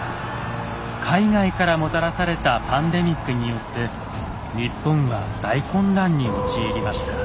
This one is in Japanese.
海外からもたらされたパンデミックによって日本は大混乱に陥りました。